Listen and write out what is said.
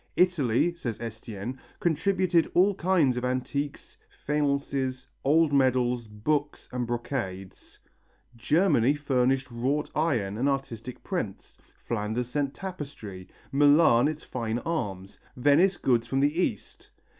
Italy, says Estienne, contributed all kinds of antiques, faiences, old medals, books and brocades; Germany furnished wrought iron and artistic prints, Flanders sent tapestry, Milan its fine arms, Venice goods from the East.